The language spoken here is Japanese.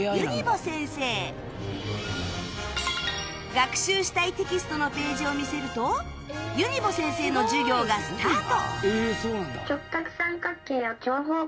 学習したいテキストのページを見せるとユニボ先生の授業がスタート